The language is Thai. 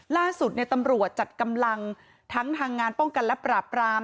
ล่าสุดตำรวจจัดกำลังทั้งทางงานป้องกันและปราบราม